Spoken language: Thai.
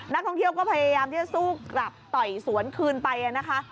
นักท่องเที่ยวก็พยายามที่จะสู้กลับต่อยสวนคืนไปนะคะ